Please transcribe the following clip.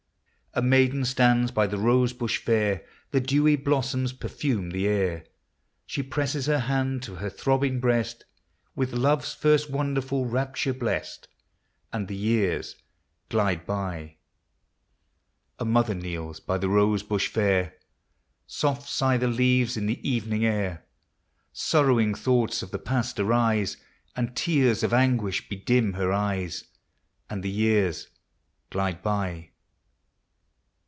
A Maiden stands by the rose bush fair, The dewy blossoms perfume the air ; She presses her hand to her throbbing breast, With love's first wonderful rapture blest. And the years glide by. 234 POEMS OF SENTIMENT. A Mother kneels by the rose bush fair, Soft sigh the leaves in the evening air ; Sorrowing thoughts of the past arise, And tears of anguish bedim her eyes. And the years glide by.